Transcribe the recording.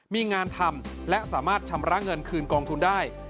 มีงานทำและสามารถชำระเงินคืนกองทุนได้